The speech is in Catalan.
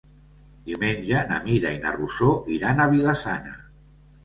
Diumenge na Mira i na Rosó iran a Vila-sana.